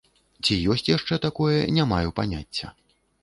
Ці ёсць яшчэ такое, не маю паняцця.